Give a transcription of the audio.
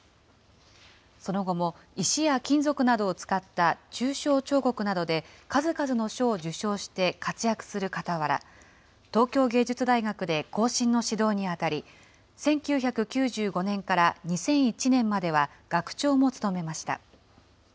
その後も、石や金属などを使った抽象彫刻などで数々の賞を受賞して活躍するかたわら、東京藝術大学で後進の指導に当たり、１９９５年から２００１年までは学長も務めました。